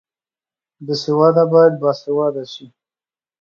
بې سواده باید باسواده شي